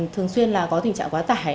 thường xuyên là có tình trạng quá tải